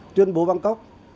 tuyên bố bangkok